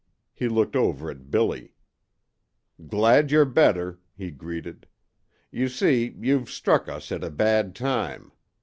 He looked over at Billy. "Glad you're better," he greeted. "You see, you've struck us at a bad time.